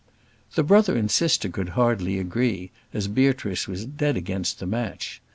The brother and sister could hardly agree, as Beatrice was dead against the match.